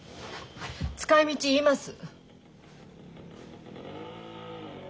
使いみち言います。